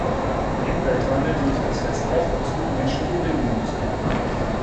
Neben Beltane diente das Fest auch dazu, menschliche Bindungen zu weihen.